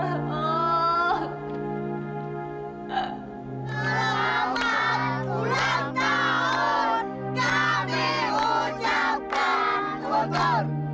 selamat ulang tahun kami ucapkan guntur